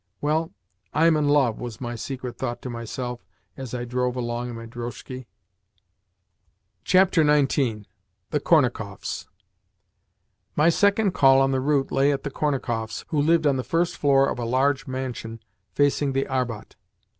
"Well, I am in love!" was my secret thought to myself as I drove along in my drozhki. XIX. THE KORNAKOFFS MY second call on the route lay at the Kornakoffs', who lived on the first floor of a large mansion facing the Arbat.